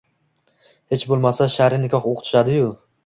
Hech bo`lmasa, sha`riy nikoh o`qitishadi-ku